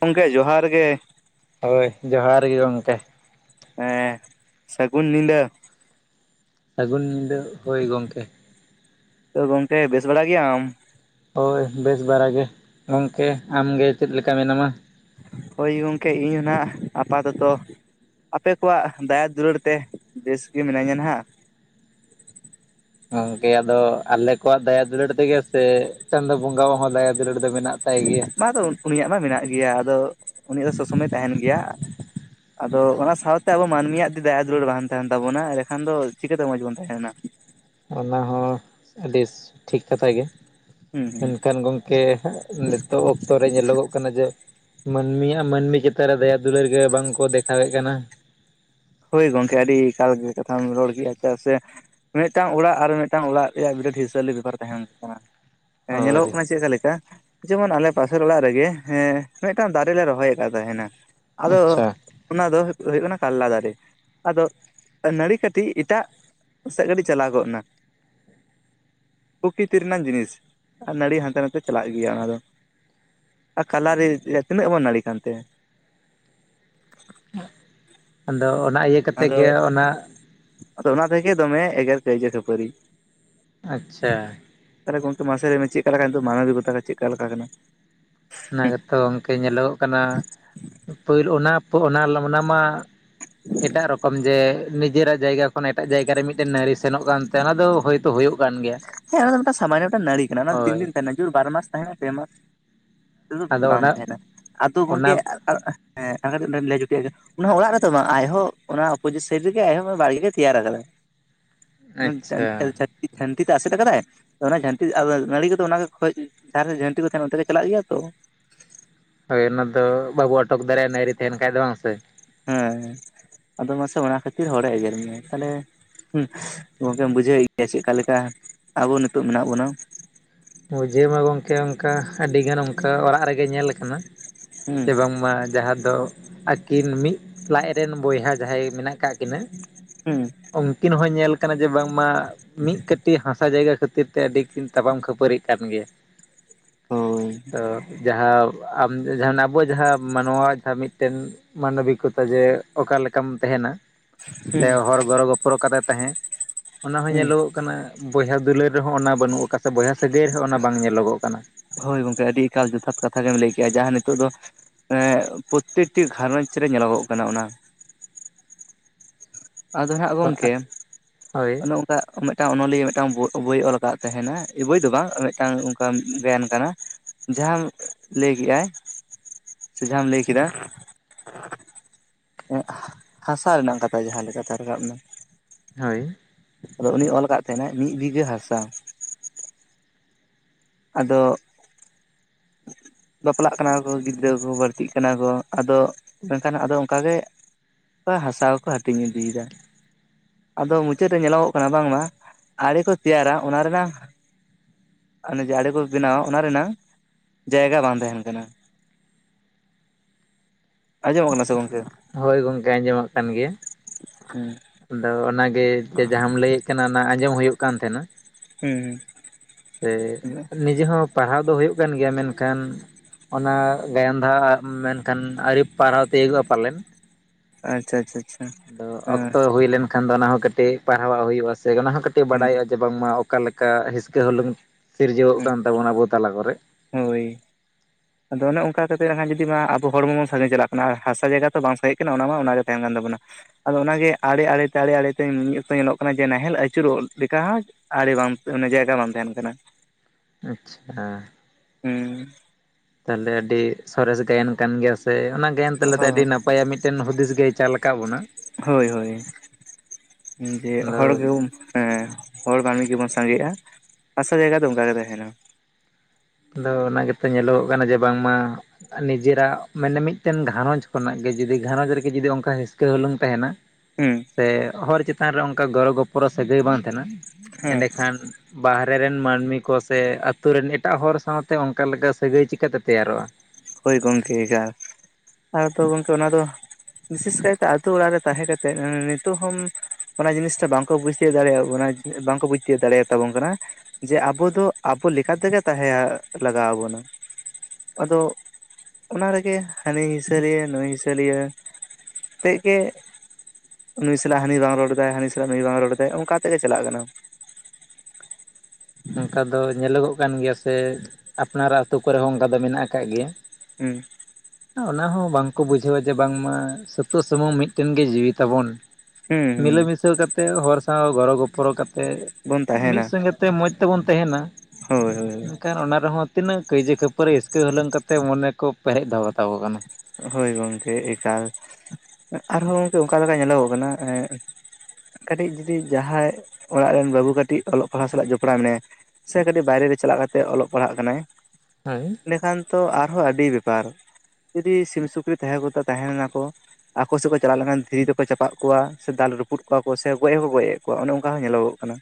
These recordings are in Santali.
ᱜᱚᱝᱠᱮ ᱡᱚᱦᱟᱨ ᱜᱮ ᱦᱳᱭ ᱡᱚᱦᱟᱨ ᱜᱮ ᱜᱚᱝᱠᱮ ᱦᱮᱸ ᱥᱟᱹᱜᱩᱱ ᱱᱤᱫᱟᱹ ᱥᱟᱹᱜᱩᱱ ᱧᱤᱫᱟᱹ ᱦᱳᱭ ᱜᱚᱝᱠᱮ ᱛᱳ ᱜᱚᱝᱠᱮ ᱵᱮᱥ ᱵᱟᱲᱟ ᱜᱮᱭᱟᱢ ᱦᱳᱭ ᱵᱮᱥ ᱵᱟᱲᱟᱜ ᱜᱮ ᱜᱚᱝᱠᱮ ᱟᱢᱜᱮ ᱪᱮᱫ ᱞᱮᱠᱟ ᱢᱮᱱᱟᱢᱟ ᱦᱳᱭ ᱜᱚᱝᱠᱮ ᱤᱧ ᱦᱟᱸᱱᱟᱜ ᱟᱯᱟᱛᱚᱛᱚ ᱟᱯᱮ ᱠᱚᱣᱟᱜ ᱫᱟᱭᱟ ᱫᱩᱞᱟᱹᱲ ᱛᱮ ᱵᱮᱥ ᱜᱮ ᱢᱤᱱᱟᱹᱧᱟ ᱱᱟᱦᱟᱜ ᱜᱚᱝᱠᱮ ᱟᱫᱚ ᱟᱞᱮ ᱠᱚᱣᱟᱜ ᱫᱟᱭᱟ ᱫᱩᱞᱟᱹᱲ ᱛᱮᱜᱮ ᱥᱮ ᱪᱟᱸᱫ ᱵᱚᱸᱜᱟ ᱦᱚᱸ ᱫᱟᱭᱟ ᱫᱩᱞᱟᱹᱲ ᱫᱚ ᱢᱮᱱᱟᱜ ᱛᱟᱭ ᱜᱮᱭᱟ ᱵᱟ ᱫᱚ ᱩᱱᱤᱭᱟᱜ ᱢᱟ ᱢᱮᱱᱟᱜ ᱜᱮᱭᱟ ᱟᱫᱚ ᱩᱱᱤᱭᱟᱜ ᱫᱚ ᱥᱚᱵ ᱥᱚᱢᱚᱭ ᱛᱟᱦᱮᱱ ᱜᱮᱭᱟ ᱟᱫᱚ ᱚᱱᱟ ᱥᱟᱶᱛᱮ ᱟᱵᱚ ᱢᱟᱹᱱᱢᱤᱭᱟᱜ ᱡᱩᱫᱤ ᱫᱟᱭᱟᱜ ᱫᱩᱞᱟᱹᱲ ᱵᱟᱝ ᱛᱟᱦᱮᱱ ᱛᱟᱵᱚᱱᱟ ᱮᱱᱠᱷᱟᱱ ᱫᱚ ᱪᱤᱠᱟᱹᱛᱮ ᱢᱚᱸᱡᱽ ᱵᱚᱱ ᱛᱟᱦᱮᱱᱟ ᱚᱱᱟ ᱦᱚᱸ ᱟᱹᱰᱤ ᱴᱷᱤᱠ ᱠᱟᱛᱷᱟ ᱜᱮ ᱦᱩᱸ ᱦᱩᱸ ᱢᱮᱱᱠᱷᱟᱱ ᱜᱚᱝᱠᱮ ᱱᱤᱛᱚᱜ ᱚᱠᱛᱚ ᱨᱮ ᱧᱮᱞᱚᱜᱚᱜ ᱠᱟᱱᱟ ᱡᱮ ᱢᱟᱹᱱᱢᱤᱭᱟᱜ ᱢᱟᱹᱱᱢᱤ ᱪᱮᱛᱟᱱ ᱨᱮ ᱫᱟᱭᱟ ᱫᱩᱞᱟᱹᱲ ᱜᱮ ᱵᱟᱝ ᱠᱚ ᱫᱮᱠᱷᱟᱣᱮᱜ ᱠᱟᱱᱟ ᱦᱳᱭ ᱜᱚᱝᱠᱮ ᱟᱹᱰᱤ ᱮᱠᱟᱞ ᱜᱮ ᱠᱟᱛᱷᱟᱢ ᱨᱚᱲ ᱠᱮᱭᱟ ᱪᱮᱫᱟᱜ ᱥᱮ ᱢᱤᱫᱴᱟᱝ ᱚᱲᱟᱜ ᱟᱨ ᱢᱤᱫᱴᱟᱝ ᱚᱲᱟᱜ ᱨᱮᱭᱟᱜ ᱵᱤᱨᱚᱫᱷᱤ ᱦᱤᱥᱟᱹᱞᱤ ᱵᱮᱯᱟᱨ ᱛᱟᱦᱮᱱ ᱠᱟᱱᱟ ᱦᱳᱭ ᱧᱮᱞᱚᱜᱚᱜ ᱠᱟᱱᱟ ᱪᱮᱫᱠᱟ ᱞᱮᱠᱟ ᱡᱮᱢᱚᱱ ᱟᱞᱮ ᱯᱟᱥᱮᱨ ᱚᱲᱟᱜ ᱨᱮᱜᱮ ᱦᱮᱸ ᱢᱤᱫᱴᱟᱱ ᱫᱟᱨᱮᱞᱮ ᱨᱚᱦᱚᱭᱮᱫ ᱠᱟᱱ ᱛᱟᱦᱮᱱᱟ ᱟᱫᱚ ᱟᱪᱪᱷᱟ ᱚᱱᱟ ᱫᱚ ᱦᱚᱭᱳᱜ ᱠᱟᱱᱟ ᱠᱟᱞᱞᱟ ᱫᱟᱨᱮ ᱟᱫᱚ ᱱᱟᱹᱲᱤ ᱠᱟᱹᱴᱤᱡ ᱮᱴᱟᱜ ᱥᱮᱡ ᱠᱟᱹᱴᱤᱡ ᱪᱟᱞᱟᱣ ᱜᱚᱫ ᱮᱱᱟ ᱯᱨᱚᱠᱤᱛᱤ ᱨᱮᱱᱟᱜ ᱡᱤᱱᱤᱥ ᱟᱨ ᱱᱟᱹᱲᱤ ᱦᱟᱱᱛᱮ ᱱᱟᱛᱮ ᱪᱟᱞᱟᱜ ᱜᱮᱭᱟ ᱚᱱᱟ ᱫᱚ ᱟᱨ ᱠᱟᱞᱟᱨᱮ ᱛᱤᱱᱟᱹᱜ ᱵᱚᱱ ᱱᱟᱹᱲᱮ ᱠᱟᱱᱛᱮ ᱟᱫᱚ ᱚᱱᱟ ᱤᱭᱟᱹ ᱠᱟᱛᱮᱫ ᱟᱫᱚ, ᱜᱮ ᱚᱱᱟ ᱟᱫᱚ ᱚᱱᱟ ᱛᱮᱜᱮ ᱫᱚᱢᱮ ᱮᱜᱮᱨ ᱠᱟᱹᱣᱡᱟᱹ ᱠᱷᱟᱹᱯᱟᱹᱨᱤ ᱟᱪᱪᱷᱟ ᱛᱟᱞᱦᱮ ᱜᱚᱝᱠᱮ ᱢᱟᱥᱮ ᱪᱮᱫ ᱞᱮᱠᱟ ᱢᱟᱱᱚᱵᱤᱠᱚᱛᱟ ᱠᱚ ᱪᱮᱫ ᱞᱮᱠᱟ ᱠᱟᱱᱟ ᱚᱱᱟ ᱜᱮᱛᱚ ᱜᱚᱝᱠᱮ ᱧᱮᱞᱚᱜᱚᱜ ᱠᱟᱱᱟ ᱯᱳᱭᱞ ᱚᱱᱟ ᱚᱱᱟ ᱞᱚᱜᱽᱱᱚ ᱢᱟ ᱮᱴᱟᱜ ᱨᱚᱠᱚᱢ ᱡᱮ ᱱᱤᱡᱮᱨᱟᱜ ᱡᱟᱭᱜᱟ ᱠᱷᱚᱱ ᱮᱴᱟᱜ ᱡᱟᱭᱜᱟ ᱨᱮ ᱢᱤᱫᱴᱮᱱ ᱱᱟᱹᱲᱤ ᱥᱮᱱᱚᱜ ᱠᱟᱱᱛᱮ ᱚᱱᱟ ᱫᱚ ᱦᱳᱭᱛᱳ ᱦᱩᱭᱩᱜ ᱠᱟᱱ ᱜᱮᱭᱟ ᱦᱮᱸ ᱚᱱᱟ ᱫᱚ ᱢᱤᱫᱴᱟᱱ ᱥᱟᱢᱟᱱ ᱢᱤᱫᱴᱟᱝ ᱱᱟᱹᱲᱤ ᱠᱟᱱᱟ ᱚᱱᱟ ᱫᱚ ᱛᱤᱱ ᱦᱳᱭ ᱫᱤᱱ ᱛᱟᱦᱮᱱᱟ ᱡᱳᱨ ᱵᱟᱨ ᱢᱟᱥ ᱛᱟᱦᱮᱱᱟ ᱯᱮ ᱢᱟᱥ ᱵᱮᱥᱤ ᱟᱫᱚ ᱵᱟᱝ ᱚᱱᱟ ᱛᱟᱦᱮᱱᱟ ᱟᱫᱚ ᱚᱱᱟ ᱜᱚᱝᱠᱮ [unintelligible] ᱦᱮᱸ, ᱟᱨ ᱠᱟᱹᱴᱤᱡ ᱞᱟᱹᱭ ᱡᱩᱴᱩᱡᱼᱟᱜ ᱚᱱᱟ ᱚᱲᱟᱜ ᱨᱮᱛᱚ ᱵᱟᱝ ᱟᱡᱦᱚᱸ ᱚᱱᱟ ᱚᱯᱚᱡᱤᱴ ᱥᱟᱭᱤᱰ ᱨᱮᱜᱮ ᱟᱡᱦᱚᱸ ᱵᱟᱲᱜᱮ ᱜᱮᱭ ᱛᱮᱭᱟᱨ ᱟᱠᱟᱫᱟᱟᱭ ᱟᱪᱪᱷᱟ [unintelligible] ᱡᱷᱟᱹᱱᱴᱤ ᱛᱮ ᱟᱥᱮᱫ ᱟᱠᱟᱫᱟᱭ ᱚᱱᱟ ᱡᱷᱟᱹᱱᱴᱤ ᱟᱫᱚ ᱱᱟᱲᱤ ᱠᱚᱫᱚ ᱚᱱᱟ ᱠᱷᱚᱡ ᱡᱟᱦᱟᱸᱨᱮ ᱡᱷᱟᱹᱱᱴᱤ ᱠᱚ ᱛᱟᱦᱮᱱᱟ ᱚᱱᱛᱮ ᱜᱮ ᱪᱟᱞᱟᱜ ᱜᱮᱭᱟ ᱛᱚ ᱦᱳᱭ ᱚᱱᱟ ᱫᱚ ᱵᱟᱵᱚ ᱟᱴᱚᱠ ᱫᱟᱲᱮᱟᱭᱼᱟ ᱱᱟᱭᱨᱮ ᱛᱟᱦᱮᱱ ᱠᱷᱟᱡ ᱫᱚ ᱵᱟᱝ ᱥᱮ ᱦᱮᱸ ᱦᱮᱸ ᱟᱫᱚ ᱢᱟᱥᱮ ᱚᱱᱟ ᱠᱷᱟᱛᱤᱨ ᱦᱚᱲᱮ ᱮᱜᱮᱨ ᱢᱮᱭᱟ ᱛᱟᱞᱦᱮ ᱦᱩᱸ ᱜᱚᱝᱠᱮᱢ ᱵᱩᱡᱷᱟᱹᱣᱮᱜ ᱜᱮᱭᱟ ᱪᱮᱫᱠᱟ ᱞᱮᱠᱟ ᱟᱵᱚ ᱱᱤᱛᱚᱜ ᱢᱮᱱᱟᱜ ᱵᱚᱱᱟ ᱡᱮᱢᱟ ᱜᱚᱢᱠᱮ ᱚᱝᱠᱟ ᱟᱹᱰᱤᱜᱟᱱ ᱚᱝᱠᱟ ᱚᱲᱟᱜ ᱨᱮᱜᱮ ᱧᱮᱞ ᱟᱠᱟᱱᱟ ᱥᱮ ᱦᱩᱸ ᱵᱟᱝᱢᱟ ᱡᱟᱦᱟᱸ ᱫᱚ ᱟᱹᱠᱤᱱ ᱢᱤᱫ ᱞᱟᱡ ᱨᱮᱱ ᱵᱚᱭᱦᱟ ᱡᱟᱦᱟᱸᱭ ᱢᱮᱱᱟᱜ ᱠᱟᱜ ᱠᱤᱱᱟᱹ ᱦᱩᱸ ᱩᱱᱠᱤᱱ ᱦᱚᱸ ᱧᱮᱞ ᱠᱟᱱᱟ ᱡᱮ ᱵᱟᱝᱢᱟ ᱢᱤᱫ ᱠᱟᱹᱴᱤᱡ ᱦᱟᱥᱟ ᱡᱟᱭᱜᱟ ᱠᱷᱟᱹᱛᱤᱨ ᱛᱮ ᱟᱹᱰᱤ ᱠᱤᱱ ᱛᱟᱯᱟᱢ ᱠᱷᱟᱹᱯ ᱯᱟᱹᱨᱤᱜ ᱠᱟᱱ ᱜᱮᱭᱟ ᱦᱳᱭ ᱛᱚ ᱡᱟᱦᱟᱸ ᱟᱢ ᱡᱟᱦᱟᱸᱱᱟᱜ ᱟᱵᱚᱣᱟᱜ ᱡᱟᱦᱟᱸ ᱢᱟᱱᱣᱟ ᱡᱟᱦᱟᱸ ᱢᱤᱫᱴᱮᱱ ᱢᱟᱱᱚᱵᱤᱠᱚᱛᱟ ᱡᱮ ᱚᱠᱟᱮᱠᱟᱢ ᱛᱮᱦᱮᱱᱟ ᱥᱮ ᱦᱩᱸ ᱦᱚᱨ ᱜᱚᱲᱚ ᱜᱚᱯᱚᱲᱚ ᱠᱟᱛᱮ ᱛᱟᱦᱮᱸ ᱚᱱᱟᱦᱚᱸ ᱦᱩᱸ ᱧᱮᱞᱚᱜ ᱠᱟᱱᱟ ᱵᱚᱭᱦᱟ ᱫᱩᱞᱟᱹᱲ ᱨᱮᱦᱚᱸ ᱚᱱᱟ ᱵᱟᱹᱱᱩᱜ ᱟᱠᱟ ᱥᱮ ᱵᱚᱭᱦᱟ ᱥᱟᱹᱜᱟᱹᱭ ᱨᱮᱦᱚᱸ ᱚᱱᱟ ᱵᱟᱝ ᱧᱮᱞᱚᱜᱚᱜ ᱠᱟᱱᱟ ᱦᱳᱭ ᱜᱚᱝᱠᱮ ᱟᱹᱰᱤ ᱮᱠᱟᱞ ᱡᱚᱛᱷᱟᱛ ᱠᱟᱛᱷᱟ ᱜᱮᱢ ᱞᱟᱹᱭ ᱠᱮᱜᱼᱟ ᱡᱟᱦᱟᱸ ᱱᱤᱛᱚᱜ ᱫᱚ ᱮᱸᱜ ᱯᱨᱚᱛᱛᱮᱠᱴᱤ ᱜᱷᱟᱨᱚᱸᱧᱡᱽ ᱨᱮ ᱧᱮᱞᱚᱜᱚᱜ ᱠᱟᱱᱟ ᱚᱱᱟ ᱟᱫᱚ ᱦᱟᱸᱜ ᱜᱚᱝᱠᱮ, ᱦᱳᱭ ᱱᱚ ᱛᱟᱜ ᱢᱤᱫᱴᱟᱝ ᱚᱱᱚᱞᱤᱭᱟᱹ ᱢᱤᱫᱴᱟᱝ ᱵᱳ ᱵᱳᱭᱮ ᱚᱞ ᱠᱟᱜ ᱛᱮᱦᱮᱱᱟ ᱵᱳᱭ ᱫᱚ ᱵᱟᱝ ᱢᱤᱫᱴᱟᱝ ᱚᱝᱠᱟ ᱜᱭᱟᱱ ᱠᱟᱱᱟ ᱡᱟᱦᱟᱢ ᱞᱟᱹᱭ ᱠᱮᱜ-ᱟ ᱥᱮ ᱡᱟᱦᱟᱢ ᱞᱟᱹᱭ ᱠᱮᱫᱟ ᱮᱸᱜ ᱦᱟᱥᱟ ᱨᱮᱱᱟᱜ ᱠᱟᱛᱷᱟ ᱡᱟᱦᱟᱸ ᱞᱮᱠᱟᱛᱮ ᱨᱟᱠᱟᱵᱱᱟ ᱦᱳᱭ ᱟᱫᱚ ᱩᱱᱤᱭ ᱚᱞ ᱟᱠᱟᱫ ᱛᱟᱦᱮᱱᱟᱭ ᱢᱤᱫ ᱵᱤᱜᱷᱟᱹ ᱦᱟᱥᱟ ᱟᱫᱚ ᱵᱟᱯᱞᱟᱜ ᱠᱟᱱᱟ ᱠᱚ ᱜᱤᱫᱽᱨᱟᱹ ᱠᱚ ᱵᱟᱹᱲᱛᱤᱜ ᱠᱟᱱᱟ ᱠᱚ ᱟᱫᱚ ᱢᱮᱱᱠᱷᱟᱱ ᱟᱫᱚ ᱚᱝᱠᱟᱜᱮ ᱦᱟᱥᱟ ᱠᱚᱠᱚ ᱦᱟᱹᱴᱤᱧ ᱤᱫᱤᱭᱮᱫᱟ ᱟᱫᱚ ᱢᱩᱪᱟᱹᱫ ᱨᱮ ᱧᱮᱞᱚᱜᱚᱜ ᱠᱟᱱᱟ ᱵᱟᱝᱢᱟ ᱟᱲᱮ ᱠᱚ ᱛᱮᱭᱟᱨᱟ ᱚᱱᱟ ᱨᱮᱱᱟᱝ ᱟᱱᱮ ᱡᱟᱲᱮ ᱠᱚ ᱵᱮᱱᱟᱣᱟ ᱚᱱᱟ ᱨᱮᱱᱟᱝ ᱡᱟᱭᱜᱟ ᱵᱟᱝ ᱛᱟᱦᱮᱱ ᱠᱟᱱᱟ ᱟᱸᱡᱚᱢᱚᱜ ᱠᱟᱱᱟ ᱥᱮ ᱜᱚᱝᱠᱮ ᱦᱳᱭ ᱜᱚᱝᱠᱮ ᱟᱸᱡᱚᱢᱚᱜ ᱠᱟᱱ ᱜᱮᱭᱟ ᱦᱩᱸ ᱟᱫᱚ ᱚᱱᱟᱜᱮ ᱡᱮ ᱡᱟᱦᱟᱸᱢ ᱞᱟᱹᱭᱮᱫ ᱠᱟᱱᱟ ᱚᱱᱟ ᱟᱸᱡᱚᱢ ᱦᱩᱭᱩᱜ ᱠᱟᱱ ᱛᱟᱦᱮᱱᱟ ᱦᱩᱸ ᱥᱮ ᱦᱩᱸ ᱱᱤᱡᱮ ᱦᱚᱸ ᱯᱟᱲᱦᱟᱣ ᱫᱚ ᱦᱩᱭᱩᱜ ᱠᱟᱱ ᱜᱮᱭᱟ ᱢᱮᱱᱠᱷᱟᱱ ᱚᱱᱟ ᱜᱟᱭᱟᱱ ᱫᱷᱟᱣᱟᱜ ᱢᱮᱱᱠᱷᱟᱱ ᱟᱹᱨᱤ ᱯᱟᱨᱦᱟᱣ ᱛᱤᱭᱳᱚᱜᱼᱟ ᱯᱟᱞᱮᱱ ᱟᱪᱪᱷᱟ ᱟᱪᱪᱷᱟ ᱟᱫᱚ ᱦᱮᱸ ᱚᱠᱛᱚ ᱦᱩᱭ ᱞᱮᱱᱠᱷᱟᱱ ᱫᱚ ᱚᱱᱟ ᱦᱚᱸ ᱠᱟᱹᱴᱤᱡ ᱯᱟᱲᱦᱟᱣᱟᱜ ᱦᱩᱭᱩᱜᱼᱟ ᱥᱮ ᱚᱱᱟ ᱦᱚᱸ ᱠᱟᱹᱴᱤᱡ ᱦᱮᱸ ᱵᱟᱰᱟᱭᱚᱜᱼᱟ ᱡᱮ ᱵᱟᱝᱢᱟ ᱚᱠᱟ ᱞᱮᱠᱟ ᱦᱤᱥᱠᱟᱹ ᱦᱩᱞᱩᱝ ᱥᱤᱨᱡᱟᱹᱣᱚᱜ ᱦᱮᱸ ᱠᱟᱱ ᱛᱟᱵᱚᱱᱟ ᱟᱵᱚ ᱛᱟᱞᱟ ᱠᱚᱨᱮ ᱦᱳᱭ ᱟᱫᱚ ᱚᱱᱮ ᱚᱱᱠᱟ ᱠᱷᱟᱛᱤᱨ ᱚᱱᱮ ᱡᱩᱫᱤ ᱢᱟ ᱟᱵᱚ ᱦᱚᱲᱢᱚ ᱵᱚᱱ ᱥᱟᱸᱜᱮᱪᱟᱞᱟᱜ ᱠᱟᱱᱟ ᱦᱟᱥᱟ ᱡᱟᱭᱜᱟ ᱛᱚ ᱵᱟᱝ ᱥᱟᱸᱜᱮᱜ ᱠᱟᱱᱟ ᱚᱱᱟ ᱢᱟ ᱚᱱᱟᱜᱮ ᱛᱟᱦᱮᱸᱱ ᱠᱟᱱ ᱛᱟᱵᱚᱱᱟ ᱟᱫᱚ ᱚᱱᱟᱜᱮ ᱟᱲᱮ ᱟᱲᱮᱛᱮ ᱟᱲᱮ ᱟᱲᱮᱛᱮ ᱢᱤᱫ ᱚᱛᱚ ᱧᱮᱞᱚᱜ ᱠᱟᱱᱟ ᱡᱮ ᱱᱟᱦᱮᱞ ᱟᱹᱪᱩᱨᱚᱜ ᱞᱮᱠᱟ ᱦᱚᱸ ᱟᱨᱮ ᱵᱟᱝ ᱢᱟᱱᱮ ᱡᱟᱭᱜᱟ ᱵᱟᱝ ᱛᱟᱦᱮᱱ ᱠᱟᱱᱟ ᱟᱪᱪᱷᱟ ᱦᱩᱸ ᱛᱟᱦᱚᱞᱮ ᱟᱹᱰᱤ ᱥᱚᱨᱮᱥ ᱜᱟᱭᱟᱱ ᱠᱟᱱ ᱜᱮᱭᱟ ᱥᱮ ᱚᱱᱟ ᱛᱮᱱ ᱛᱟᱞᱟᱛᱮ ᱟᱹᱰᱤ ᱱᱟᱯᱟᱭ ᱢᱤᱫᱴᱮᱱ ᱦᱩᱫᱤᱥ ᱜᱮᱭ ᱪᱟᱞ ᱟᱠᱟᱫ ᱵᱚᱱᱟ ᱦᱳᱭ ᱦᱳᱭ ᱡᱮ ᱟᱫᱚ ᱦᱚᱲ ᱜᱮᱵᱚᱱ ᱦᱚᱲ ᱢᱟᱱᱢᱤ ᱜᱮᱵᱚᱱ ᱥᱟᱸᱜᱮᱜᱼᱟ ᱦᱟᱥᱟ ᱡᱟᱭᱜᱟ ᱫᱚ ᱚᱱᱠᱟ ᱜᱮ ᱛᱟᱦᱮᱸᱱᱟ ᱟᱫᱚ ᱚᱱᱟ ᱜᱮᱛᱚ ᱧᱮᱞᱚᱜᱚᱜ ᱠᱟᱱᱟ ᱡᱮ ᱵᱟᱝᱢᱟ ᱱᱤᱡᱮᱨᱟᱜ ᱢᱟᱱᱮ ᱢᱤᱫᱴᱮᱱ ᱜᱸᱷᱟᱨᱚᱸᱡᱽ ᱠᱷᱚᱱᱟᱜ ᱜᱮ ᱡᱩᱫᱤ ᱜᱸᱷᱟᱨᱚᱸᱡᱽ ᱨᱮᱜᱮ ᱡᱩᱫᱤ ᱚᱱᱠᱟ ᱦᱤᱸᱥᱠᱟᱹ ᱦᱩᱞᱩᱝ ᱛᱟᱦᱮᱱᱟ ᱦᱩᱸ ᱥᱮ ᱦᱚᱲ ᱪᱮᱛᱟᱱ ᱨᱮ ᱚᱱᱠᱟ ᱜᱚᱲᱚ ᱜᱚᱯᱚᱲᱚ ᱥᱟᱹᱜᱟᱹᱭ ᱵᱟᱝ ᱛᱟᱦᱮᱱᱟ ᱦᱮᱸ ᱮᱸᱰᱮ ᱠᱷᱟᱱ ᱵᱟᱨᱨᱮ ᱨᱮᱱ ᱢᱟᱹᱱᱢᱤ ᱠᱚ ᱥᱮ ᱟᱛᱩᱨ ᱨᱮᱱ ᱮᱴᱟᱜ ᱦᱚᱲ ᱥᱟᱶᱛᱮ ᱚᱱᱠᱟᱞᱮ ᱞᱮᱠᱟ ᱥᱟᱹᱜᱟᱹᱭ ᱪᱤᱠᱟᱹᱛᱮ ᱛᱮᱭᱟᱨᱚᱜᱼᱟ᱾ ᱦᱳᱭ ᱜᱚᱢᱠᱮ, ᱟᱫᱚ ᱜᱚᱢᱠᱮ ᱚᱱᱟ ᱫᱚ, ᱵᱤᱥᱮᱥ ᱠᱟᱭᱛᱮ ᱟᱛᱳ ᱚᱲᱟᱜ ᱨᱮ ᱛᱟᱦᱮᱸ ᱠᱟᱛᱮ ᱱᱤᱛᱚᱜ ᱦᱚᱸ ᱚᱱᱟ ᱡᱤᱱᱤᱥᱴᱟ ᱵᱟᱝᱠᱚ ᱵᱩᱡ ᱛᱤᱭ ᱫᱟᱲᱮᱭᱟᱜ ᱚᱱᱟ᱾ ᱵᱟᱝᱠᱚ ᱵᱩᱡ ᱛᱤᱭᱟᱹᱜ ᱫᱟᱲᱮᱭᱟ ᱛᱟᱵᱚᱱ ᱠᱟᱱᱟ᱾ ᱡᱮ ᱟᱵᱚ ᱫᱚ ᱟᱵᱚ ᱞᱮᱠᱟ ᱞᱮᱠᱟᱛᱮᱜᱮ ᱛᱟᱦᱮᱸ ᱞᱟᱜᱟᱣ ᱟᱵᱚᱱᱟ ᱾ ᱟᱫᱚ ᱚᱱᱟ ᱨᱮᱜᱮ ᱦᱟᱹᱱᱤ ᱦᱤᱥᱟᱹᱞᱤᱭᱟᱹ ᱱᱩᱭ ᱦᱤᱥᱞᱤᱭᱟᱹ ᱛᱮᱫ ᱜᱮ ᱱᱩᱭ ᱥᱟᱞᱟᱜ ᱦᱟᱹᱱᱤ ᱵᱟᱝ ᱨᱚᱲ ᱮᱟᱭ ᱦᱟᱹᱱᱤ ᱥᱟᱞᱟᱜ ᱱᱩᱭᱭ ᱵᱟᱝ ᱨᱚᱲ ᱮᱫᱟᱭ ᱚᱱᱠᱟ ᱛᱮᱜᱮ ᱪᱟᱞᱟᱜ ᱠᱟᱱᱟ᱾ ᱚᱱᱠᱟ ᱫᱚ ᱧᱮᱞᱚᱜᱚᱜ ᱠᱟᱱ ᱜᱮᱭᱟ ᱥᱮ ᱟᱯᱱᱟᱨᱟᱜ ᱟᱛᱳ ᱠᱚᱨᱮ ᱦᱚᱸ ᱚᱱᱠᱟ ᱫᱚ ᱢᱮᱱᱟᱜ ᱟᱠᱟᱫ ᱜᱮᱭᱟ᱾ ᱦᱩᱸ ᱚᱱᱟ ᱦᱚᱸ ᱵᱟᱝᱠᱚ ᱵᱩᱡᱷᱟᱹᱣᱟ ᱡᱮ ᱵᱟᱝᱢᱟ ᱥᱩᱛᱩᱜ ᱥᱩᱢᱩᱝ ᱢᱤᱫᱴᱮᱱ ᱜᱮ ᱡᱤᱣᱤ ᱛᱟᱵᱚᱱ᱾ ᱦᱩᱸ ᱦᱩᱸ ᱢᱤᱞᱟᱹ ᱢᱤᱥᱟᱹ ᱠᱟᱛᱮ ᱦᱚᱲ ᱥᱟᱶ ᱜᱚᱲᱚ ᱜᱚᱯᱚᱲᱚ ᱠᱟᱛᱮ ᱵᱚᱱ ᱢᱤᱫ ᱛᱟᱦᱮᱱᱟ ᱥᱚᱸᱜᱮ ᱛᱮ ᱢᱚᱡᱽ ᱛᱮᱵᱚᱱ ᱛᱟᱦᱮᱸᱱᱟ ᱦᱳᱭ ᱦᱳᱭ ᱦᱳᱭ ᱚᱱᱟ ᱨᱮᱦᱚᱸ ᱛᱤᱱᱟᱹᱜ ᱠᱟᱹᱭᱡᱟᱹ ᱠᱷᱟᱹᱯᱟᱹᱨᱤ ᱦᱤᱥᱠᱟᱹ ᱦᱩᱞᱟᱹᱝ ᱠᱟᱛᱮ ᱢᱚᱱᱮ ᱠᱚ ᱯᱮᱨᱮᱡ ᱫᱚᱦᱚ ᱠᱟᱛᱟᱣ ᱠᱟᱱᱟ ᱦᱳᱭ ᱜᱚᱢᱠᱮ ᱮᱠᱟᱞ ᱟᱨᱦᱚᱸ ᱜᱚᱢᱠᱮ ᱚᱱᱠᱟ ᱞᱮᱠᱟ ᱧᱮᱞᱚᱜᱚᱜ ᱠᱟᱱᱟ᱾ ᱠᱟᱹᱴᱤᱡ ᱡᱩᱫᱤ ᱡᱟᱦᱟᱸᱭ ᱚᱲᱟᱜ ᱨᱮᱱ ᱵᱟᱹᱵᱩ ᱠᱟᱹᱴᱤᱡ ᱚᱞᱚᱜ ᱯᱟᱲᱦᱟᱜ ᱥᱟᱞᱟᱜ ᱡᱚᱯᱲᱟᱣ ᱢᱮᱱᱟᱭᱟ᱾ ᱥᱮ ᱠᱟᱹᱴᱤᱡ ᱵᱟᱭᱨᱮ ᱨᱮ ᱪᱟᱞᱟᱜ ᱠᱟᱛᱮ ᱚᱞᱚᱜ ᱯᱟᱲᱦᱟᱜ ᱠᱟᱱᱟᱭ᱾ ᱦᱚᱭ ᱤᱸᱱᱟᱹᱠᱷᱟᱱ ᱛᱚ ᱟᱨᱦᱚᱸ ᱟᱹᱰᱤ ᱵᱮᱯᱟᱨ᱾ ᱡᱩᱫᱤ ᱥᱤᱢ ᱥᱩᱠᱨᱤ ᱛᱟᱦᱮᱸ ᱠᱚ ᱛᱮ ᱛᱟᱦᱮᱸᱱᱟ ᱠᱚ᱾ ᱟᱠᱚ ᱥᱮᱫ ᱠᱚ ᱪᱟᱞᱟᱣ ᱞᱮᱱᱠᱷᱟᱱ ᱫᱷᱤᱨᱤ ᱛᱮᱠᱚ ᱪᱟᱯᱟᱜ ᱠᱚᱣᱟ ᱥᱮ ᱫᱟᱞ ᱨᱟᱹᱯᱩᱫ ᱠᱚᱣᱟ ᱠᱚ ᱥᱮ ᱜᱚᱡ ᱦᱚᱸᱠᱚ ᱜᱚᱡ ᱮᱫ ᱠᱚᱣᱟ ᱚᱱᱮ ᱚᱱᱠᱟ ᱦᱚᱸ ᱧᱮᱞᱚᱜᱚᱜ ᱠᱟᱱᱟ᱾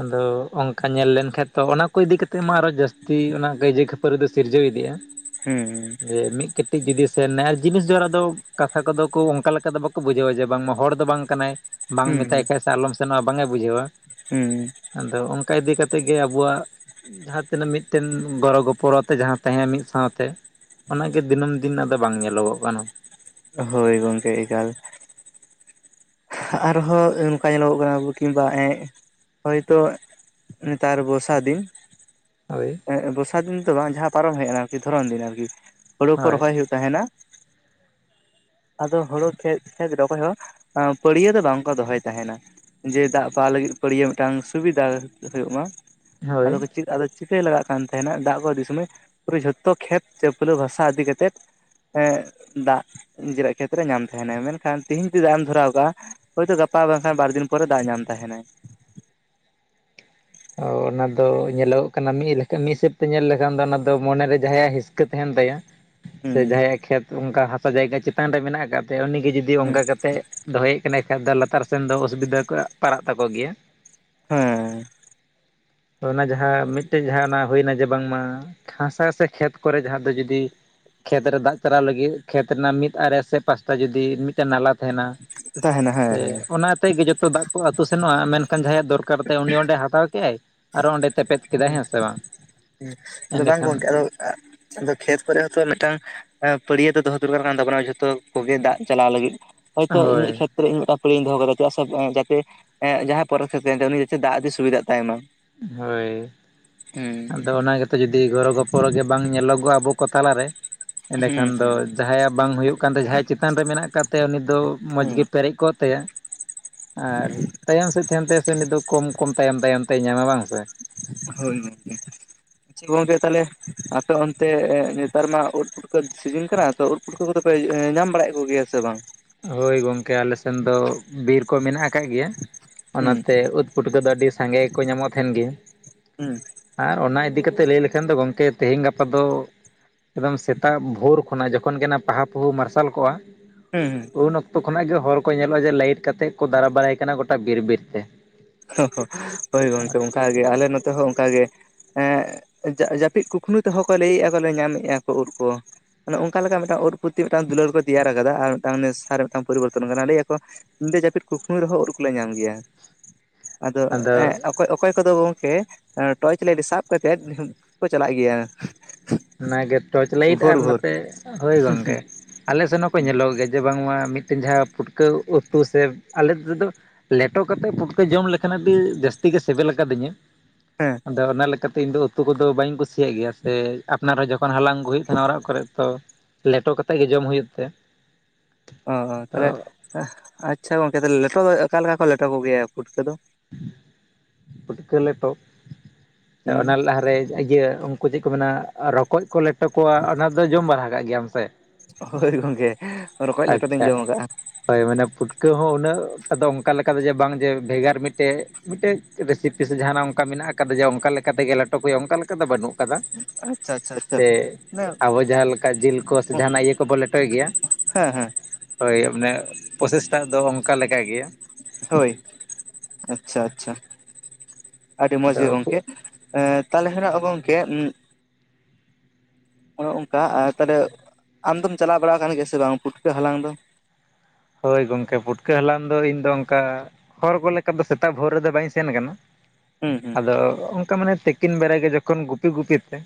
ᱟᱫᱚ ᱚᱱᱠᱟ ᱧᱮᱞ ᱞᱮᱱᱠᱟᱱᱡ ᱛᱚ ᱚᱱᱟ ᱠᱚ ᱤᱫᱤ ᱠᱟᱛᱮᱜ ᱢᱟ ᱟᱨᱚ ᱡᱟᱹᱥᱛᱤ ᱚᱱᱟ ᱠᱟᱹᱟᱭᱡᱟᱹ ᱠᱷᱟᱹᱯᱟᱹᱨᱤ ᱫᱚ ᱥᱤᱨᱡᱟᱹᱣ ᱤᱫᱤᱜᱼᱟ᱾ ᱦᱩᱸᱻᱦᱩᱸ ᱢᱤᱫ ᱠᱟᱹᱴᱤᱡ ᱡᱩᱫᱤ ᱥᱮᱱ ᱱᱟᱭ ᱡᱤᱱᱤᱥ ᱡᱟᱲᱟ ᱫᱚ ᱠᱟᱛᱷᱟ ᱠᱚᱫᱚ ᱠᱚ ᱚᱱᱠᱟ ᱞᱮᱠᱟ ᱫᱚ ᱵᱟᱠᱚ ᱵᱩᱡᱷᱟᱹᱣᱟ ᱡᱮ ᱵᱟᱝᱢᱟ ᱦᱚᱲ ᱫᱚ ᱵᱟᱝ ᱠᱟᱱᱟᱭ᱾ ᱵᱟᱝ ᱢᱮᱛᱟᱭ ᱦᱩᱸ ᱠᱷᱟᱡ ᱥᱮ ᱟᱞᱚᱢ ᱥᱮᱱᱚᱜ ᱵᱟᱝᱮ ᱵᱩᱡᱷᱟᱹᱣᱟ᱾ ᱦᱩᱸ ᱟᱫᱚ ᱚᱱᱠᱟ ᱤᱫᱤ ᱠᱟᱛᱮᱫ ᱜᱮ ᱟᱵᱚᱣᱟᱜᱼᱼ ᱡᱟᱦᱟᱸ ᱛᱤᱱᱟᱹᱜ ᱢᱤᱫᱴᱮᱱ ᱜᱚᱲᱚ ᱜᱚᱯᱚᱲᱚ ᱛᱮ ᱡᱟᱦᱟᱸ ᱛᱟᱦᱮᱸᱱᱟ ᱢᱤᱫ ᱥᱟᱶᱛᱮᱼᱼ ᱚᱱᱟᱜᱮ ᱫᱤᱱᱟᱹᱢ ᱫᱤᱱ ᱟᱫᱚ ᱵᱟᱝ ᱧᱮᱞᱚᱜᱚᱜ ᱠᱟᱱᱟ᱾ ᱦᱳᱭ ᱜᱚᱝᱠᱮ ᱮᱠᱟᱞ᱾ ᱟᱨᱦᱚᱸ ᱚᱱᱠᱟ ᱧᱮᱞᱚᱜᱚᱜ ᱠᱟᱱᱟ ᱟᱵᱚ ᱠᱤᱝᱵᱟ ᱮᱸ ᱦᱚᱭᱛᱚᱼᱼ ᱱᱮᱛᱟᱨ ᱵᱚᱨᱥᱟ ᱫᱤᱱᱼᱼ ᱦᱳᱭ᱾ ᱵᱚᱨᱥᱟ ᱫᱤᱱ ᱫᱚ ᱵᱟᱝ ᱡᱟᱦᱟᱸ ᱯᱟᱨᱚᱢ ᱦᱮᱡ ᱮᱱᱟ ᱟᱨᱠᱤ ᱫᱷᱚᱨᱚᱱ ᱫᱤᱱ ᱟᱨᱠᱤ ᱦᱩᱲᱩ ᱠᱚ ᱦᱳᱭ ᱨᱚᱦᱚᱭ ᱦᱩᱭᱩᱜᱼᱼ ᱛᱟᱦᱮᱱᱟ [unintelligible] ᱟᱫᱚ ᱦᱳᱲᱳ ᱠᱷᱮᱛ [unintelligible] ᱨᱚᱦᱚᱭ ᱦᱚᱸᱼᱼ ᱯᱟᱹᱲᱭᱟᱹ ᱫᱚ ᱵᱟᱝᱠᱚ ᱫᱚᱦᱚᱭ ᱛᱟᱦᱮᱱᱟ ᱡᱮ ᱫᱟᱜ ᱯᱟᱣᱟ ᱞᱟᱹᱜᱤᱫ ᱯᱟᱹᱲᱭᱟᱹ ᱢᱤᱫᱴᱟᱝ ᱥᱩᱵᱤᱫᱷᱟ ᱦᱩᱭᱩᱜ ᱢᱟᱼᱼ ᱟᱫᱚ ᱦᱳᱭ ᱠᱚ ᱪᱮᱫᱼᱼ ᱪᱤᱠᱟᱹᱭ ᱞᱟᱜᱟᱜ ᱠᱟᱱ ᱛᱟᱦᱮᱱᱟ ᱫᱟᱜ ᱠᱚ ᱤᱫᱤ ᱥᱚᱢᱚᱭ ᱯᱩᱨᱟᱹ ᱡᱷᱚᱛᱚ ᱠᱷᱮᱛ ᱪᱟᱹᱯᱞᱟᱹ ᱵᱷᱟᱥᱟ ᱤᱫᱤ ᱠᱟᱛᱮᱫᱼᱼ ᱫᱟᱜ ᱱᱤᱡᱮᱨᱟᱜ ᱠᱷᱮᱛᱨᱮ ᱧᱟᱢ ᱛᱟᱦᱮᱱᱟᱭ ᱢᱮᱱᱠᱷᱟᱱ ᱛᱤᱦᱤᱧ ᱡᱩᱫᱤ ᱫᱟᱜ ᱮᱢ ᱫᱷᱚᱨᱟᱣ ᱠᱟᱜᱼᱟᱼᱼ ᱦᱳᱭ ᱛᱚ ᱜᱟᱯᱟ ᱵᱟᱝᱠᱷᱟᱱ ᱵᱟᱨ ᱫᱤᱱ ᱯᱚᱨᱮ ᱫᱟᱜ ᱧᱟᱢ ᱛᱟᱦᱮᱱᱟᱭ᱾ ᱚ ᱚᱱᱟ ᱫᱚ ᱧᱮᱞᱚᱜᱚᱜ ᱠᱟᱱᱟ ᱢᱤᱫ ᱞᱮᱠᱟ ᱢᱤᱫ ᱦᱤᱥᱟᱹᱵ ᱛᱮ ᱧᱮᱞ ᱞᱮᱠᱷᱟᱱ ᱫᱚ ᱚᱱᱟ ᱫᱚ ᱢᱚᱱᱮᱨᱮ ᱡᱟᱦᱟᱸᱭᱟᱜ ᱦᱤᱥᱠᱟᱹᱼᱼ ᱛᱟᱦᱮᱱ ᱛᱟᱭᱟ ᱦᱩᱸ ᱥᱮ ᱡᱟᱦᱟᱸᱭᱟᱜ ᱠᱷᱮᱛ ᱚᱱᱠᱟ ᱦᱟᱥᱟ ᱡᱟᱭᱜᱟ ᱪᱮᱛᱟᱱ ᱨᱮ ᱢᱮᱱᱟᱜ ᱟᱠᱟᱫ ᱛᱟᱭᱟ ᱩᱱᱤᱜᱮ ᱡᱩᱫᱤᱼᱼ ᱡᱩᱫᱤ ᱦᱩᱸ ᱚᱱᱠᱟ ᱠᱟᱛᱮᱫ ᱫᱚᱦᱚᱭᱮᱫ ᱠᱟᱱᱟᱭ ᱠᱷᱟᱡ ᱫᱚ ᱞᱟᱛᱟᱨ ᱥᱮᱱ ᱫᱚ ᱚᱥᱩᱵᱤᱫᱟ ᱠᱚ ᱯᱟᱲᱟᱜ ᱛᱟᱠᱚ ᱜᱮᱭᱟ᱾ ᱦᱮᱸ᱾ ᱚᱱᱟ ᱡᱟᱦᱟᱸ ᱢᱤᱫᱴᱮᱡ ᱡᱟᱦᱟᱸ ᱚᱱᱟ ᱦᱩᱭᱱᱟ ᱡᱮ ᱵᱟᱝᱢᱟ ᱦᱟᱥᱟ ᱥᱮ ᱠᱷᱮᱛ ᱠᱚᱨᱮ ᱡᱟᱦᱟᱸ ᱫᱚ ᱡᱩᱫᱤᱼᱼ ᱠᱷᱮᱛ ᱨᱮ ᱫᱟᱜ ᱪᱟᱞᱟᱣ ᱞᱟᱹᱜᱤᱫ ᱠᱷᱮᱛ ᱨᱮᱱᱟᱜ ᱢᱤᱫ ᱟᱲᱮ ᱥᱮ ᱯᱟᱥᱴᱟ ᱡᱩᱫᱤ ᱢᱤᱫᱼᱼ ᱱᱟᱞᱟ ᱛᱟᱦᱮᱱᱟ ᱛᱟᱦᱮᱱᱟ ᱦᱮᱸ ᱥᱮ ᱦᱮᱸ ᱚᱱᱟᱛᱮ ᱜᱮ ᱡᱚᱛᱚ ᱫᱟᱜ ᱠᱚ ᱟᱹᱛᱩ ᱥᱮᱱᱚᱜᱼᱟ ᱢᱮᱱᱠᱷᱟᱱ ᱡᱟᱦᱟᱸᱭᱟᱜ ᱫᱚᱨᱠ ᱫᱚᱨᱠᱟᱨᱛᱟᱭ ᱩᱱᱤ ᱚᱸᱰᱮ ᱦᱟᱛᱟᱣ ᱠᱮᱫᱟᱭ ᱟᱨ ᱚᱸᱰᱮ ᱛᱮᱯᱮᱫ ᱠᱮᱫᱟᱭ ᱦᱮᱸ ᱥᱮ ᱵᱟᱝ᱾ ᱟᱫᱚ ᱵᱟᱝ ᱮᱸᱰᱮᱠᱷᱟᱱ ᱜᱚᱢᱠᱮ ᱟᱫᱚ [unintelligible] ᱠᱷᱮᱛ ᱠᱚᱨᱮ ᱦᱚᱸᱛᱚ ᱢᱤᱫᱴᱟᱝᱼᱼ ᱯᱟᱹᱲᱭᱟᱹ ᱫᱚ ᱫᱚᱦᱚ ᱫᱚᱨᱠᱟᱨ ᱠᱟᱱ ᱛᱟᱵᱚᱱᱟ ᱡᱷᱚᱛᱚ ᱠᱚᱜᱮ ᱫᱟᱜ ᱪᱟᱞᱟᱣ ᱞᱟᱹᱜᱤᱫ ᱦᱚᱭᱛᱚ ᱦᱳᱭ ᱤᱱᱟᱹᱜ ᱠᱷᱮᱛᱼᱼ ᱤᱧ ᱢᱤᱫᱴᱟᱝ ᱯᱟᱹᱲᱭᱟᱹ ᱫᱚᱦᱚ ᱠᱟᱫᱟ ᱪᱮᱫᱟᱜ ᱥᱮ ᱡᱟᱛᱮ ᱮ ᱡᱟᱦᱟᱸᱭ ᱯᱚᱨᱮ ᱠᱷᱮᱛᱨᱮ ᱛᱟᱦᱮᱱ ᱛᱟᱭᱟ ᱩᱱᱤ ᱡᱟᱛᱮ ᱫᱟᱜ ᱤᱫᱤ ᱥᱩᱵᱤᱫᱷᱟᱜ ᱛᱟᱭᱢᱟ᱾ ᱦᱳᱭ ᱾ [unintelligible] ᱼᱼ ᱟᱫᱚ ᱚᱱᱟ ᱜᱮᱛᱚ ᱡᱩᱫᱤ ᱜᱚᱲᱚ ᱜᱚᱯᱲᱚ ᱜᱮ ᱵᱟᱝ ᱧᱮᱞᱚᱜᱚᱜᱼᱟ ᱟᱵᱚ ᱠᱚ ᱛᱟᱞᱟᱨᱮᱼᱼ ᱮᱸᱰᱮᱠᱷᱟᱱ ᱦᱩᱸ ᱫᱚ ᱡᱟᱦᱟᱸᱭᱟᱜ ᱵᱟᱝ ᱦᱩᱭᱩᱜ ᱠᱟᱱ ᱛᱟᱭᱟ ᱡᱟᱦᱟᱸᱭᱟᱜ ᱪᱮᱛᱟᱱ ᱨᱮ ᱢᱮᱱᱟᱜ ᱟᱠᱟᱫ ᱛᱟᱭᱟ ᱩᱱᱤ ᱫᱚ ᱢᱚᱡᱽ ᱦᱩᱸ ᱜᱮᱼᱼ ᱯᱮᱨᱮᱡ ᱠᱚᱜ ᱛᱟᱭᱟ [unintelligible] ᱟᱨ ᱛᱟᱭᱚᱢ ᱥᱮᱫ ᱛᱟᱦᱮᱱ ᱛᱟᱭᱟ ᱥᱮ ᱩᱱᱤ ᱫᱚ ᱠᱚᱢ ᱠᱚᱢ ᱛᱟᱭᱚᱢ ᱛᱟᱭᱚᱢ ᱼᱼ ᱛᱮᱲ ᱧᱟᱢᱟ ᱵᱟᱝ ᱥᱮᱼᱼ ᱦᱳᱭ ᱜᱚᱝᱠᱮ [unintelligible] ᱛᱟᱦᱞᱮ ᱟᱯᱮ ᱚᱱᱛᱮ ᱱᱮᱛᱟᱨ ᱢᱟ ᱩᱫᱼᱼ ᱯᱩᱴᱠᱟᱹ ᱥᱤᱡᱤᱱ ᱠᱟᱱᱟ ᱛᱚ ᱩᱫ ᱯᱩᱴᱠᱟᱹ ᱠᱚᱫᱚ ᱯᱮ ᱧᱟᱢ ᱵᱟᱲᱟᱭᱮᱫ ᱠᱚᱜᱮᱭᱟ ᱥᱮ ᱵᱟᱝ? ᱦᱳᱭ ᱜᱚᱝᱠᱮ ᱟᱞᱮ ᱥᱮᱱ ᱫᱚ ᱵᱤᱨ ᱠᱚ ᱢᱮᱱᱟᱜ ᱟᱠᱟᱫ ᱜᱮᱭᱟ᱾ ᱦᱩᱸ ᱚᱱᱟᱛᱮ ᱩᱫ ᱯᱩᱴᱠᱟᱹ ᱫᱚ ᱟᱹᱰᱤ ᱥᱟᱸᱜᱮ ᱜᱮ ᱠᱚ ᱧᱟᱢᱚᱜ ᱛᱟᱦᱮᱱ ᱜᱮᱭᱟ᱾ ᱦᱮᱸ᱾ ᱟᱨ ᱚᱱᱟ ᱤᱫᱤ ᱠᱟᱛᱮᱫ ᱞᱟᱹᱭ ᱞᱮᱠᱷᱟᱱ ᱫᱚ ᱜᱚᱝᱠᱮ ᱛᱮᱦᱮᱧ ᱜᱟᱯᱟ ᱫᱚᱼᱼ ᱮᱠᱫᱚᱢ ᱥᱮᱛᱟᱜ ᱵᱷᱳᱨ ᱠᱷᱚᱱᱟᱜ ᱡᱚᱠᱷᱚᱱ ᱜᱮ ᱚᱱᱟ ᱯᱟᱦᱟ ᱯᱩᱦᱩ ᱢᱟᱨᱥᱟᱞ ᱠᱚᱜᱼᱟᱼᱼ ᱦᱮᱸ ᱦᱮᱸ᱾ ᱩᱱ ᱚᱠᱛᱚ ᱠᱷᱚᱱᱟᱜ ᱜᱮ ᱦᱚᱲ ᱠᱚ ᱧᱮᱞᱚᱜᱼᱟ ᱡᱮ ᱞᱟᱭᱤᱴ ᱠᱟᱛᱮᱫ ᱠᱚ ᱫᱟᱲᱟ ᱵᱟᱲᱟᱭ ᱠᱟᱱᱟ ᱜᱚᱴᱟ ᱵᱤᱨ ᱵᱤᱨ ᱛᱮᱼᱼ [unintelligible] ᱦᱳᱭ ᱜᱚᱝᱠᱮ ᱚᱱᱠᱟᱜᱮ ᱟᱞᱮ ᱱᱚᱛᱮ ᱦᱚᱸ ᱚᱱᱠᱟᱜᱮ᱾ ᱡᱟᱹᱯᱤᱫ ᱠᱩᱠᱢᱩ ᱛᱮᱦᱚᱸ ᱠᱚ ᱞᱟᱹᱭᱮᱫᱼᱟ ᱠᱚ ᱧᱟᱢᱮᱜᱼᱟ ᱠᱚ ᱩᱫ ᱠᱚᱼᱼ ᱢᱟᱱᱮ ᱚᱱᱠᱟ ᱞᱮᱠᱟ ᱢᱤᱫᱴᱟᱝ ᱩᱫ ᱯᱨᱚᱛᱤ ᱢᱤᱫᱴᱟᱝ ᱫᱩᱞᱟᱹᱲ ᱠᱚ ᱛᱮᱭᱟᱨ ᱟᱠᱟᱫᱟ ᱟᱨ ᱢᱤᱫᱴᱟᱝ ᱥᱟᱨ ᱢᱤᱫᱴᱟᱝ ᱯᱚᱨᱤᱵᱚᱨᱛᱚᱱ ᱠᱟᱱᱟ ᱞᱟᱹᱭ ᱟᱠᱚᱼᱼ ᱧᱤᱫᱟᱹ ᱡᱟᱹᱯᱤᱫ ᱠᱩᱠᱢᱩ ᱨᱮᱦᱚᱸ ᱩᱫ ᱠᱚᱞᱮ ᱧᱟᱢ ᱜᱮᱭᱟ᱾ ᱟᱫᱚ ᱚᱠᱚᱭ [unintelligible] ᱠᱚᱫᱚ ᱜᱚᱢᱠᱮᱼᱼ ᱴᱚᱨᱪ ᱞᱟᱹᱭᱤᱴ ᱥᱟᱵ ᱠᱟᱛᱮᱫ ᱠᱚ ᱪᱟᱞᱟᱜ ᱜᱮᱭᱟᱼᱼ ᱚᱱᱟᱜᱮ ᱴᱚᱨᱪ ᱞᱟᱭᱤᱴ ᱟᱨ ᱱᱚᱛᱮ ᱦᱳᱭ ᱜᱚᱝᱠᱮ ᱟᱞᱮ ᱥᱮᱱ ᱦᱚᱸᱠᱚ ᱧᱮᱞᱚᱜ ᱜᱮᱭᱟᱼᱼ ᱡᱮ ᱵᱟᱝᱢᱟ ᱢᱤᱫᱴᱮᱱ ᱡᱟᱦᱟᱸ ᱯᱷᱩᱴᱠᱟᱹ ᱩᱛᱩ ᱥᱮ ᱟᱞᱮ ᱛᱮᱫᱚ ᱞᱮᱴᱚ ᱠᱟᱛᱮᱫ ᱯᱷᱩᱴᱠᱟᱹᱼᱼ [unintelligible] ᱡᱚᱢ ᱞᱮᱠᱷᱟᱱ ᱟᱹᱰᱤ ᱡᱟᱹᱥᱛᱤ ᱜᱮ ᱥᱤᱵᱤᱞ ᱟᱠᱟᱫᱤᱧᱟ᱾ ᱦᱮᱸ ᱟᱫᱚ ᱚᱱᱟ ᱞᱮᱠᱟᱛᱮ ᱤᱧᱫᱚ ᱩᱛᱩ ᱠᱚᱫᱚ ᱵᱟᱹᱧ ᱠᱩᱥᱤᱭᱟᱜ ᱜᱮᱭᱟ ᱥᱮᱼᱼ ᱟᱯᱱᱟᱨ ᱦᱚᱸ ᱡᱚᱠᱷᱚᱱ ᱦᱟᱞᱟᱝ ᱟᱹᱜᱩ ᱦᱩᱭᱩᱜ ᱛᱟᱦᱮᱱᱟ ᱚᱲᱟᱜ ᱠᱚᱨᱮᱜ ᱛᱚ ᱞᱮᱴᱚ ᱠᱟᱛᱮᱫ ᱜᱮ ᱡᱚᱢ ᱦᱩᱭᱩᱜ ᱛᱮ ᱚ ᱚ ᱛᱚ ᱛᱟᱦᱚᱞᱮ ᱟᱪᱪᱷᱟ ᱜᱚᱝᱠᱮ ᱛᱟᱦᱚᱞᱮ ᱞᱮᱴᱚ ᱫᱚ ᱚᱠᱟ ᱞᱮᱠᱟ ᱠᱚ ᱞᱮᱴᱚ ᱠᱚᱜᱮᱭᱟ ᱯᱩᱴᱠᱟᱹ ᱫᱚ? ᱯᱩᱴᱠᱟᱹ ᱞᱮᱴᱚ ᱥᱮ ᱦᱩᱸ ᱚᱱᱟ ᱞᱟᱦᱟᱨᱮ ᱤᱭᱟᱹ ᱚᱱ ᱠᱚ ᱪᱮᱫ ᱠᱚ ᱢᱮᱱᱟ ᱨᱚᱠᱚᱡ ᱠᱚ ᱞᱮᱴᱚ ᱠᱚᱣᱟ ᱚᱱᱟ ᱫᱚ ᱡᱚᱢ ᱵᱟᱲᱟ ᱠᱟᱜ ᱜᱮᱭᱟᱢ ᱥᱮ? ᱦᱳᱭ ᱜᱚᱝᱠᱮ ᱨᱚᱠᱚᱡ ᱞᱮᱴᱚ ᱟᱪᱪᱷᱟ ᱫᱚᱧ ᱡᱚᱢ ᱟᱠᱟᱜᱼᱟ᱾ ᱦᱳᱭ ᱢᱟᱱᱮ ᱯᱩᱴᱠᱟᱹ ᱦᱚᱸ ᱩᱱᱟᱹᱜ ᱴᱟ ᱫᱚ ᱚᱱᱠᱟ ᱞᱮᱠᱟ ᱫᱚ ᱡᱮ ᱵᱟᱝ ᱡᱮ ᱵᱷᱮᱜᱟᱨ ᱢᱤᱫᱴᱮᱡ ᱢᱤᱫᱴᱮᱱ ᱨᱮᱥᱤᱯᱤ ᱥᱮ ᱡᱟᱦᱟᱱᱟᱜ ᱚᱱᱠᱟ ᱢᱮᱱᱟᱜ ᱟᱠᱟᱫᱟ ᱡᱮ ᱚᱱᱠᱟ ᱞᱮᱠᱟ ᱛᱮᱜᱮ ᱞᱮᱴᱚ ᱠᱚ ᱦᱩᱭᱩᱜᱼᱟ ᱚᱱᱠᱟ ᱞᱮᱠᱟ ᱫᱚ ᱵᱟᱹᱱᱩᱜ᱾ ᱟᱠᱟᱫᱟ ᱟᱪᱪᱷᱟ ᱟᱪᱪᱷᱟ ᱟᱪᱪᱷᱟ᱾ ᱥᱮ ᱚᱱᱮ ᱟᱵᱚ ᱡᱟᱦᱟᱸ ᱞᱮᱠᱟ ᱡᱤᱞ ᱠᱚ ᱥᱮ ᱡᱟᱦᱟᱱᱟᱜ ᱤᱭᱟᱹ ᱠᱚᱵᱚ ᱞᱮᱴᱚᱭ ᱜᱮᱭᱟ᱾ ᱦᱮᱸ ᱦᱮᱸ ᱦᱳᱭ ᱢᱟᱱᱮ ᱯᱨᱚᱥᱮᱥᱴᱟᱜ ᱫᱚ ᱚᱱᱠᱟ ᱞᱮᱠᱟ ᱜᱮ᱾ ᱦᱳᱭ ᱟᱪᱪᱷᱟ ᱟᱪᱪᱷᱟ ᱟᱹᱰᱤ ᱢᱚᱡᱽ ᱜᱮ ᱟᱫᱚ ᱜᱚᱝᱠᱮ᱾ ᱮᱸ ᱛᱟᱦᱚᱞᱮ ᱠᱷᱟᱱᱟᱜ ᱜᱚᱝᱠᱮ ᱚᱱᱮ ᱚᱝᱠᱟ ᱟᱨ ᱛᱟᱦᱚᱞᱮ ᱟᱢᱫᱚᱢ ᱪᱟᱞᱟᱣ ᱵᱟᱲᱟ ᱟᱠᱟᱱ ᱜᱮᱭᱟ ᱥᱮ ᱵᱟᱝ ᱯᱩᱴᱠᱟᱹ ᱦᱟᱞᱟᱝ ᱫᱚ? ᱦᱳᱭ ᱜᱚᱝᱠᱮ ᱯᱷᱩᱴᱠᱟᱹ ᱦᱟᱞᱟᱝ ᱫᱚ ᱤᱧ ᱫᱚ ᱚᱱᱠᱟ ᱦᱚᱲ ᱠᱚ ᱞᱮᱠᱟ ᱫᱚ ᱥᱮᱛᱟᱜ ᱵᱷᱳᱨ ᱨᱮᱫᱚ ᱵᱟᱹᱧ ᱥᱮᱱ ᱟᱠᱟᱱᱟ᱾ ᱦᱩᱸ ᱦᱩᱸ ᱟᱫᱚ ᱚᱱᱠᱟ ᱢᱟᱱᱮ ᱛᱤᱠᱤᱱ ᱵᱮᱲᱟ ᱜᱮ ᱡᱚᱠᱷᱚᱱ ᱜᱩᱯᱤ ᱜᱩᱯᱤ ᱛᱮ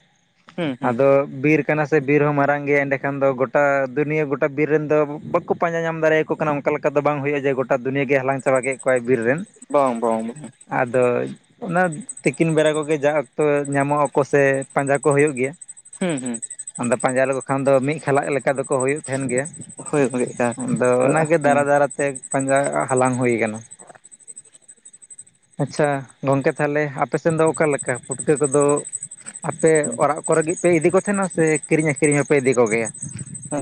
ᱦᱩᱸ ᱦᱩᱸ ᱟᱫᱚ ᱵᱤᱨ ᱠᱟᱱᱟ ᱥᱮ ᱵᱤᱨ ᱦᱚᱸ ᱢᱟᱨᱟᱝ ᱜᱮᱭᱟ ᱮᱸᱱᱮ ᱠᱷᱟᱱ ᱫᱚ ᱜᱚᱴᱟ ᱫᱩᱱᱭᱟᱹ ᱜᱚᱴᱟ ᱵᱤᱨ ᱨᱮᱱ ᱫᱚ ᱵᱟᱠᱚ ᱯᱟᱸᱡᱟ ᱧᱟᱢ ᱫᱟᱲᱮᱭᱟᱠᱚ ᱠᱟᱱᱟ ᱚᱱᱠᱟ ᱞᱮᱠᱟ ᱫᱚ ᱵᱟᱝ ᱦᱩᱭᱩᱜᱼᱟ ᱡᱮ ᱜᱚᱴᱟ ᱫᱩᱱᱭᱟᱹᱜ ᱜᱮ ᱦᱟᱞᱟᱝ ᱪᱟᱵᱟ ᱠᱮᱫ ᱠᱚᱣᱟᱭ ᱵᱤᱨ ᱨᱮᱱ ᱵᱟᱝ ᱵᱟᱝ ᱵᱟᱝ ᱟᱫᱚ ᱚᱱᱟ ᱛᱤᱠᱤᱱ ᱵᱮᱲᱟ ᱠᱚᱜᱮ ᱡᱟ ᱚᱠᱛᱚ ᱧᱟᱢᱚᱜ ᱟᱠᱚ ᱥᱮ ᱯᱟᱸᱡᱟ ᱠᱚ ᱦᱩᱭᱩᱜ ᱜᱮᱭᱟ ᱦᱩᱸ ᱦᱩᱸ ᱟᱫᱚ ᱯᱟᱸᱡᱟ ᱞᱮᱠᱚ ᱠᱷᱟᱱ ᱫᱚ ᱢᱤᱫ ᱠᱷᱟᱞᱟᱜ ᱞᱮᱠᱟ ᱫᱚᱠᱚ ᱦᱩᱭᱩᱜ ᱛᱟᱦᱮᱱ ᱜᱮᱭᱟ᱾ ᱦᱳᱭ ᱦᱳᱭ ᱟᱱᱠᱟ ᱟᱫᱚ ᱚᱱᱟᱜᱮ ᱫᱟᱨᱟ ᱫᱟᱨᱟᱛᱮ ᱯᱟᱸᱡᱟ ᱦᱟᱞᱟᱝ ᱦᱩᱭ ᱟᱠᱟᱱᱟ᱾ ᱟᱪᱪᱷᱟ ᱜᱚᱝᱠᱮ ᱛᱟᱦᱚᱞᱮ ᱟᱯᱮ ᱥᱮᱫ ᱫᱚ ᱚᱠᱟ ᱞᱮᱠᱟ ᱯᱷᱩᱴᱠᱟᱹ ᱠᱚᱫᱚ? ᱟᱯᱮ ᱦᱩᱸ ᱚᱲᱟᱜ ᱠᱚᱨᱮ ᱞᱟᱜᱤᱫ ᱯᱮ ᱤᱫᱤ ᱠᱚ ᱛᱟᱦᱮᱱᱟ ᱥᱮ ᱠᱤᱨᱤᱧ ᱟᱠᱷᱨᱤᱧ ᱦᱚᱸᱯᱮ ᱤᱫᱤ ᱠᱚᱜᱮᱭᱟ?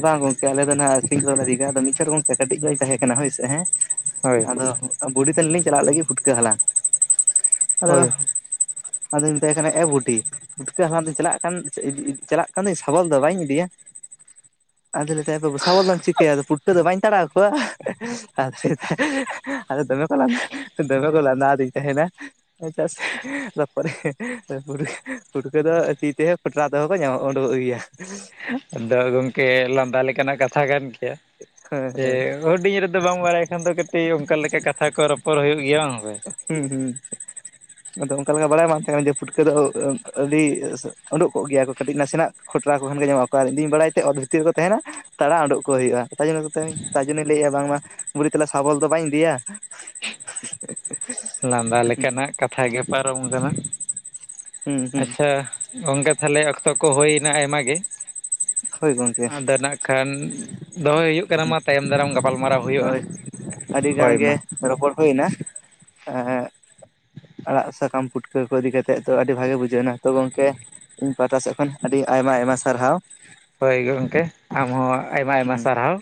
ᱵᱟᱝ ᱜᱚᱝᱠᱮ ᱟᱞᱮ ᱫᱚ ᱦᱟᱸᱜ ᱥᱤ ᱫᱚᱞᱮ [unintelligible] ᱟᱫᱚ ᱢᱤᱫ ᱪᱷᱳᱴ ᱜᱚᱝᱠᱮ ᱠᱟᱹᱴᱤᱡ ᱱᱚᱜ ᱤᱧ ᱛᱟᱦᱮᱸ ᱠᱟᱱᱟ᱾ ᱦᱳᱭᱥᱮ ᱦᱮᱸ ᱦᱳᱭ ᱟᱫᱚ ᱵᱩᱰᱤ ᱛᱟᱞᱤᱧ ᱞᱤᱧ ᱪᱟᱞᱟᱜ ᱞᱟᱹᱜᱤᱫ ᱯᱷᱩᱴᱠᱟᱹ ᱦᱟᱞᱟᱝ ᱦᱮᱞᱳ ᱦᱳᱭ ᱟᱫᱚᱧ ᱢᱮᱛᱟᱭ ᱠᱟᱱᱟ ᱮ ᱵᱩᱰᱤ ᱯᱩᱴᱠᱟᱹ ᱦᱟᱞᱟᱝ ᱫᱚᱧ ᱪᱟᱞᱟᱜ ᱠᱟᱱ ᱪᱟᱞᱟᱜ ᱠᱟᱱ ᱫᱚᱧ ᱥᱟᱵᱚᱞ ᱫᱚ ᱵᱟᱹᱧ ᱤᱫᱤᱭᱟ? ᱟᱫᱚ ᱞᱟᱭ ᱫᱟᱭ ᱮ ᱵᱟᱵᱩ ᱥᱟᱵᱚᱞ ᱪᱤᱠᱟᱭᱟ ᱯᱩᱴᱠᱟᱹ ᱫᱚ ᱵᱟᱹᱧ ᱛᱟᱲᱟᱣ ᱠᱚᱣᱟ᱾ ᱟᱫᱚ ᱞᱟᱹᱭ ᱫᱟᱭ ᱟᱫᱚ ᱫᱚᱢᱮ ᱠᱚ ᱞᱟᱸᱫᱟ ᱫᱚᱢᱮ ᱠᱚ ᱞᱟᱸᱫᱟ ᱟᱫᱤᱧ ᱛᱟᱦᱮᱱᱟ᱾ ᱛᱟᱨᱯᱚᱨᱮ ᱯᱷᱩᱴᱠᱟᱹ ᱯᱷᱩᱴᱠᱟᱹ ᱫᱚ ᱛᱤ ᱛᱮᱦᱚᱸ ᱠᱷᱚᱴᱨᱟ ᱛᱮᱦᱚᱸ ᱠᱚ ᱧᱟᱢᱚᱜ ᱩᱸᱰᱩᱠᱼᱚᱜ ᱜᱮᱭᱟ᱾ ᱟᱫᱚ ᱜᱚᱢᱠᱮ ᱞᱟᱸᱫᱟ ᱞᱮᱠᱟᱱᱟᱜ ᱠᱟᱛᱷᱟ ᱠᱟᱱ ᱜᱮᱭᱟ ᱦᱮᱸ ᱡᱮ ᱦᱮᱸ ᱦᱩᱰᱤᱧ ᱨᱮ ᱟᱫᱚ ᱵᱟᱝ ᱵᱟᱲᱟᱭ ᱠᱷᱟᱱ ᱫᱚ ᱠᱟᱹᱴᱤᱡ ᱚᱱᱠᱟ ᱞᱮᱠᱟ ᱠᱟᱛᱷᱟ ᱠᱚ ᱨᱚᱯᱚᱲ ᱦᱩᱭᱩᱜ ᱜᱮᱭᱟ᱾ ᱵᱟᱝ ᱥᱮ? ᱦᱩᱸ ᱦᱩᱸ ᱟᱫᱚ ᱚᱱᱠᱟ ᱞᱮᱠᱟ ᱵᱟᱲᱟᱭ ᱵᱟᱝ ᱛᱟᱦᱮᱸ ᱠᱟᱱᱟ ᱡᱮ ᱯᱷᱩᱴᱠᱟᱹ ᱫᱚ ᱟᱹᱰᱤ ᱩᱸᱰᱩᱠ ᱠᱚᱜ ᱜᱮᱭᱟ ᱠᱚ ᱠᱟᱹᱴᱤᱡ ᱱᱟᱥᱮᱱᱟᱜ ᱠᱷᱚᱴᱨᱟ ᱠᱚ ᱠᱷᱟᱱ ᱜᱮ ᱧᱟᱢᱚᱜ ᱟᱠᱚ ᱟᱨ ᱤᱧ ᱫᱩᱧ ᱵᱟᱲᱟᱭ ᱛᱮ ᱚᱛ ᱵᱷᱤᱛᱤᱨ ᱨᱮᱠᱚ ᱛᱟᱦᱮᱱᱟ ᱛᱟᱲᱟ ᱩᱸᱰᱩᱠ ᱠᱚ ᱦᱩᱭᱩᱜᱼᱟ᱾ ᱟᱡᱳᱢ ᱮᱫ ᱠᱚᱛᱷᱮᱱᱤᱧ ᱛᱟᱨ ᱡᱳᱱᱱᱳ ᱞᱟᱹᱭᱮᱫᱼᱟ ᱵᱟᱝᱢᱟ ᱵᱩᱰᱤ ᱛᱟᱦᱚᱞᱮ ᱥᱟᱵᱚᱞ ᱫᱚ ᱵᱟᱹᱧ ᱤᱫᱤᱭᱟ? ᱞᱟᱸᱫᱟ ᱞᱮᱠᱟᱱᱟᱜ ᱠᱟᱛᱷᱟ ᱜᱮ ᱯᱟᱨᱚᱢ ᱠᱟᱱᱟ᱾ ᱦᱩᱸ ᱦᱩᱸ ᱟᱪᱪᱷᱟ ᱜᱚᱝᱠᱮ ᱛᱟᱦᱚᱞᱮ ᱚᱠᱛᱚ ᱠᱚ ᱦᱩᱭᱱᱟ ᱟᱭᱢᱟ ᱜᱮ᱾ [inaudible] ᱟᱫᱚ ᱱᱟᱜ ᱠᱷᱟᱱ ᱫᱚᱦᱚᱭ ᱦᱩᱭᱩᱜ ᱠᱟᱱᱟ ᱢᱟ ᱛᱟᱭᱚᱢ ᱫᱟᱨᱟᱢ ᱜᱟᱯᱟᱞᱢᱟᱨᱟᱣ ᱦᱩᱭᱩᱜᱼᱟ᱾ ᱦᱳᱭ ᱟᱹᱰᱤ ᱜᱟᱱ ᱦᱳᱭ ᱜᱮ ᱢᱟ ᱨᱚᱯᱚᱲ ᱦᱩᱭᱱᱟ᱾ ᱮᱻ ᱟᱲᱟᱜ ᱥᱟᱠᱟᱢ ᱯᱩᱴᱠᱟᱹ ᱠᱚ ᱤᱫᱤ ᱠᱟᱛᱮᱫ ᱛᱚ ᱟᱹᱰᱤ ᱵᱷᱟᱜᱮ ᱵᱩᱡᱷᱟᱹᱣ ᱱᱟ ᱛᱚ ᱜᱚᱝᱠᱮ ᱤᱧ ᱯᱟᱦᱴᱟ ᱥᱮᱫ ᱠᱷᱚᱱ ᱟᱹᱰᱤ ᱟᱭᱢᱟ ᱟᱭᱢᱟ ᱥᱟᱨᱦᱟᱣ᱾ ᱦᱳᱭ ᱜᱚᱢᱠᱮ ᱟᱢ ᱦᱚᱸ ᱟᱭᱢᱟ ᱟᱭᱢᱟ ᱦᱩᱸ ᱥᱟᱨᱦᱟᱣ᱾